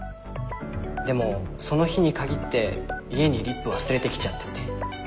でもその日に限って家にリップ忘れてきちゃってて。